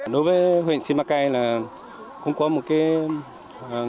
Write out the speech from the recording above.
đối với huyện simacay là không có một cái